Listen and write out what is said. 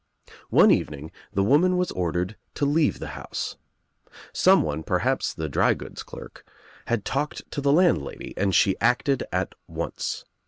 One evening the woman was ordered to leave the house. Someone, perhaps the drygoods clerk, had ^talked to the landlady and she acted at once.